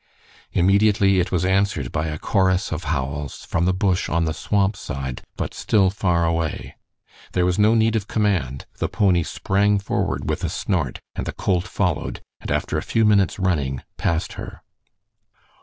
Immediately it was answered by a chorus of howls from the bush on the swamp side, but still far away. There was no need of command; the pony sprang forward with a snort and the colt followed, and after a few minutes' running, passed her.